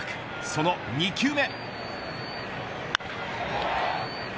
その２球目。